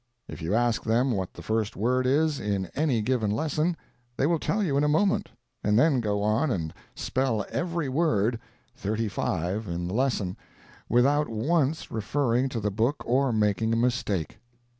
If you ask them what the first word is, in any given lesson, they will tell you in a moment, and then go on and spell every word (thirty five) in the lesson, without once referring to the book or making a mistake.